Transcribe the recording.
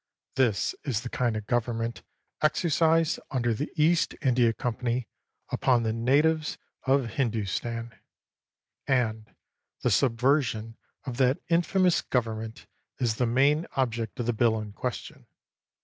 This is the kind of government exercised under the East India Company upon the natives of Hindustan ; and the subversion of that infamous government is the main object of the bill in question.